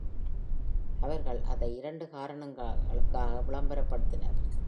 அவர்கள் அதை இரண்டு காரணங்களுக்காக விளம்பரப்படுத்தினர்.